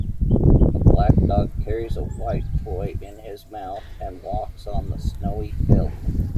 A black dog carries a white toy in his mouth and walks on the snowy field.